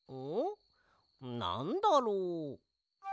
なんだろう？